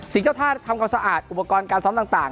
เจ้าท่าทำความสะอาดอุปกรณ์การซ้อมต่าง